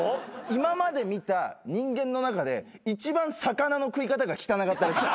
今まで見た人間の中で一番魚の食い方が汚かった。